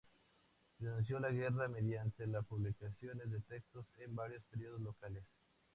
Denunció la guerra mediante la publicación de textos en varios periódicos locales.